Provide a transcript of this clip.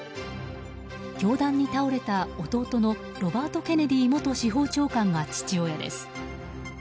凶弾に倒れた、弟のロバート・ケネディ元司法長官が父親です。